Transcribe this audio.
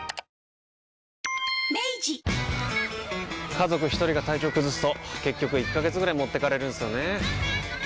家族一人が体調崩すと結局１ヶ月ぐらい持ってかれるんすよねー。